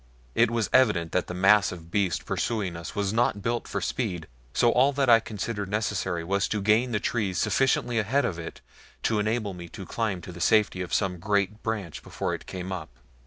It was evident that the massive beast pursuing us was not built for speed, so all that I considered necessary was to gain the trees sufficiently ahead of it to enable me to climb to the safety of some great branch before it came up.